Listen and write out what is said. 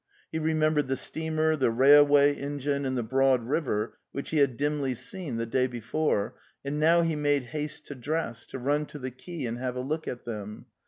He remembered the steamer, the railway engine, and the broad river, which he had dimly seen the day before, and now he made haste to dress, to run to the quay and have a look at them.